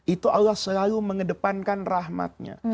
itu allah selalu mengedepankan rahmatnya